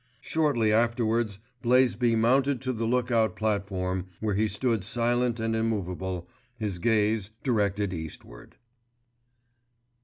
Shortly afterwards Blaisby mounted to the look out platform where he stood silent and immovable, his gaze directed eastward.